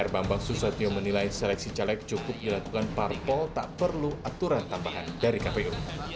bambang susatyo menilai seleksi caleg cukup dilakukan parpol tak perlu aturan tambahan dari kpu